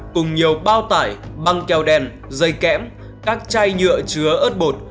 cùng nhiều bao tải băng keo đen dây kẽm các chai nhựa chứa ớt bột